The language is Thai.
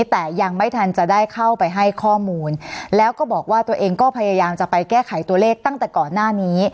แต่ยังไม่ทันจะได้เข้าไปให้ข้อมูลแล้วก็บอกว่าตัวเองก็พยายามจะไปแก้ไขตัวเลขตั้งแต่ก่อนหน้านี้